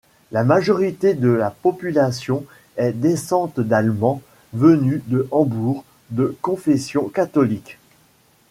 La majorité de la population est descendante d'Allemands venus de Hambourg de confession catholique.